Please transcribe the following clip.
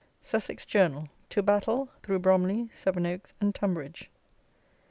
SUSSEX JOURNAL: TO BATTLE, THROUGH BROMLEY, SEVEN OAKS, AND TUNBRIDGE.